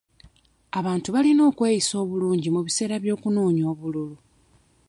Abantu balina okweyisa obulungi mu biseera by'okunoonya obululu.